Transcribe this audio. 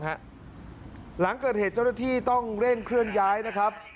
หลังเกิดเหตุเจ้าหน้าที่ต้องเร่งเคลื่อนย้ายนะครับ